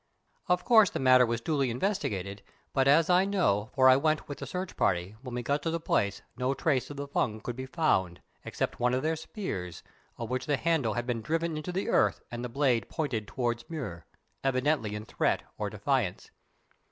Of course the matter was duly investigated, but as I know, for I went with the search party, when we got to the place no trace of the Fung could be found, except one of their spears, of which the handle had been driven into the earth and the blade pointed toward Mur, evidently in threat or defiance.